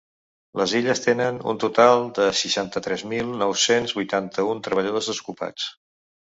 Les Illes tenen un total de seixanta-tres mil nou-cents vuitanta-un treballadors desocupats.